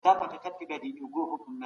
سیاسي پرېکړي د ټولو پر ژوند اغېزه کوي.